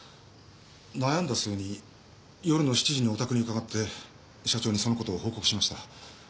悩んだ末に夜の７時にお宅に伺って社長にそのことを報告しました。